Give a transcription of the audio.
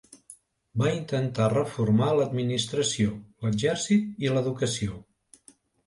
Va intentar reformar l'administració, l'exèrcit i l'educació.